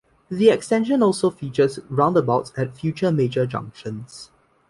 The extension also features roundabouts at future major junctions.